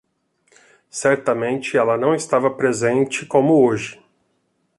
Certamente ela não estava presente como hoje.